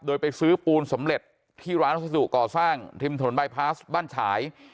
โดยไปซื้อปูนสำเร็จที่ร้านวัสดุก่อสร้างริมถนนบายพาสบ้านฉาย